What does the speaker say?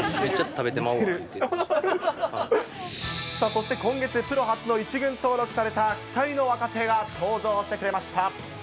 そして今月、プロ初の１軍登録された、期待の若手が登場してくれました。